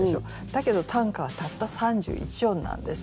だけど短歌はたった三十一音なんですよね。